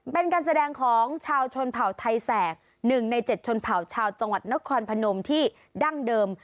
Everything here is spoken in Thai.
เป็นการแสดงของชาวชนเผ่าไทยแสก๑ใน๗ชนเผ่าชาวจังหวัดนครพนมที่ดั้งเดิม